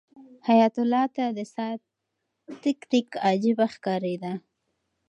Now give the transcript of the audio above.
حیات الله ته د ساعت تیک تیک عجیبه ښکارېده.